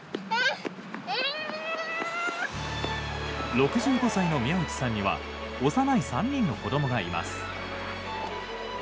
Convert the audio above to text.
６５歳の宮内さんには幼い３人の子どもがいます。